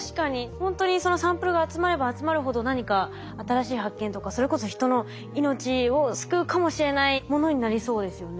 ほんとにサンプルが集まれば集まるほど何か新しい発見とかそれこそ人の命を救うかもしれないものになりそうですよね。